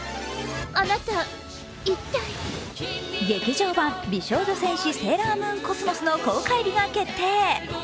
劇場版「美少女戦士セーラームーンＣｏｓｍｏｓ」の公開日が決定。